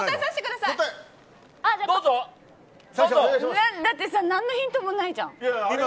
だってさ何のヒントもないじゃん。